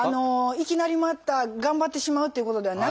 いきなりまた頑張ってしまうっていうことではなくてですね